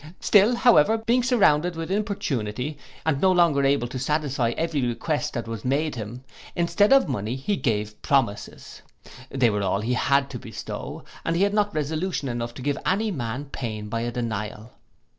Still, however, being surrounded with importunity, and no longer able to satisfy every request that was made him, instead of money he gave promises. They were all he had to bestow, and he had not resolution enough to give any man pain by a denial.